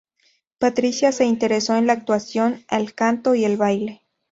Patricia se interesó en la actuación, el canto y el baile.